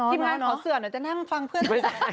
ที่บ้านขอเสื่อหน่อยจะให้มันฟังเพื่อน